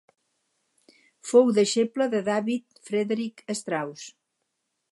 Fou deixeble de David Friedrich Strauss.